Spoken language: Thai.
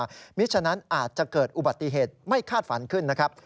เพราะฉะนั้นอาจจะเกิดอุบัติเหตุไม่คาดฝันขึ้นนะครับ